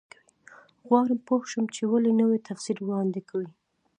غواړم پوه شم چې ولې نوی تفسیر وړاندې کوي.